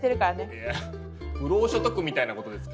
いや不労所得みたいなことですか？